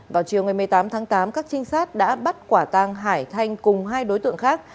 vào chiều ngày một mươi tám tháng tám các trinh sát đã bắt quả tang hải thanh cùng hai đối tượng khác